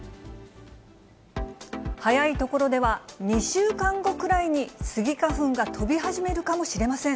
早い所では、２週間後くらいに、スギ花粉が飛び始めるかもしれません。